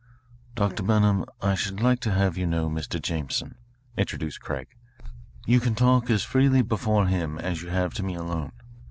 "Dr. Burnham, I should like to have you know Mr. Jameson," introduced Craig. "You can talk as freely before him as you have to me alone.